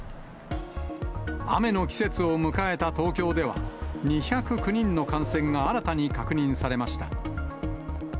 雨の季節を迎えた東京では、２０９人の感染が新たに確認されました。